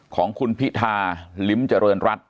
ของคุณพิธาลิ้มเจริญรัฐ